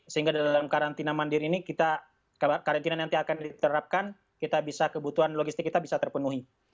sehingga dalam karantina mandiri ini karantina nanti akan diterapkan kebutuhan logistik kita bisa terpenuhi